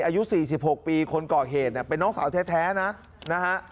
อายุสี่สิบหกปีคนเกาะเหตุเป็นน้องสาวแท้แท้นะนะฮะ